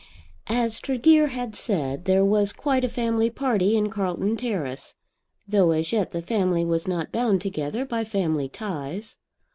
As Tregear had said, there was quite a family party in Carlton Terrace, though as yet the family was not bound together by family ties.